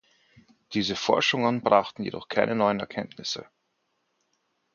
Diese Forschungen brachten jedoch keine neuen Erkenntnisse.